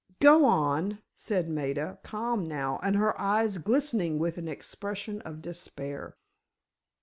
"Go on," said Maida, calm now, and her eyes glistening with an expression of despair.